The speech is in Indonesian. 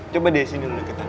coba deh sini deketan